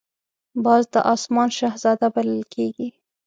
باز د آسمان شهزاده بلل کېږي